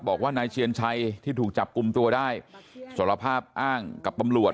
บอกว่านายเชียนชัยที่ถูกจับกลุ่มตัวได้สารภาพอ้างกับตำรวจ